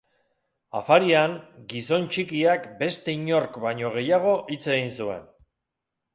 Afarian, gizon txikiak beste inork baino gehiago hitz egin zuen.